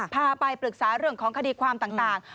พาไปปรึกษาเรื่องของคดีความต่าง